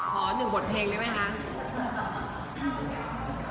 ขอหนึ่งบทเพลงได้ไหมค่ะขอหนึ่งสอง